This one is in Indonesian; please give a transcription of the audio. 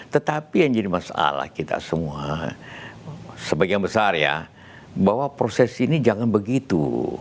tetapi yang jadi masalah kita semua sebagian besar ya bahwa proses ini jangan begitu